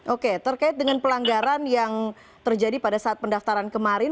oke terkait dengan pelanggaran yang terjadi pada saat pendaftaran kemarin